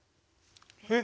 えっ。